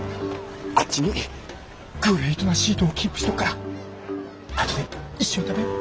あっちにグレイトなシートをキープしておくから後で一緒に食べよう。